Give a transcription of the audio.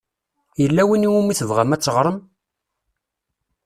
Yella win i wumi tebɣam ad teɣṛem?